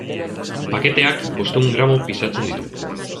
Paketeak bostehun gramo pisatzen ditu.